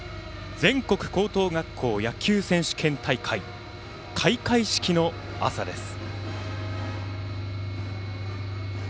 全国高等学校野球選手権大会、開会式の朝です。